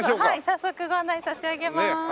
早速ご案内差し上げます。